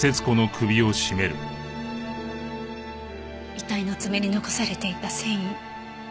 遺体の爪に残されていた繊維。